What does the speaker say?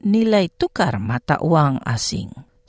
nilai tukar mata uang asing